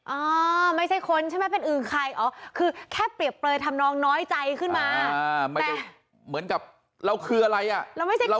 อ๋อไม่ใช่คนใช่ไหมเป็นอื่นใครอ๋อคือแค่เปรียบเปลยทำนองน้อยใจขึ้นมาไม่ได้เหมือนกับเราคืออะไรอ่ะ